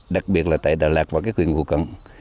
đặc biệt là tại đà lạt và các huyện vụ cận